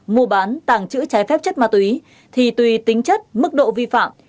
mua bán tàng trữ trái phép chất ma túy thì tùy tính chất mức độ vi phạm